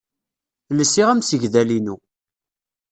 Lsiɣ amsegdal-inu.